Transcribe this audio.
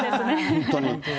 本当に。